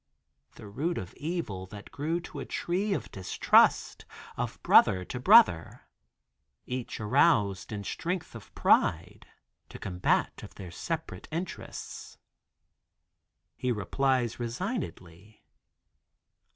The root of evil that grew to a tree of distrust of brother to brother. Each aroused in strength of pride to combat of their separate interests. He replies resignedly.